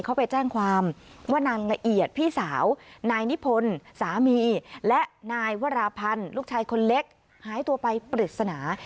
เขาไปแจ้งความว่านางละเอียดพี่สาวนายนิพนธ์สามีและนายวราพันธ์ลูกชายคนเล็กหายตัวไปปริศนา